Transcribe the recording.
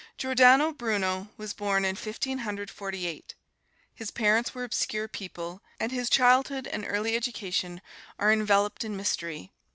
Giordano Bruno was born in Fifteen Hundred Forty eight. His parents were obscure people, and his childhood and early education are enveloped in mystery.